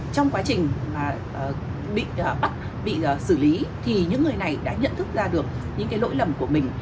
trong quá trình bị bắt bị xử lý thì những người này đã nhận thức ra được những cái lỗi lầm của mình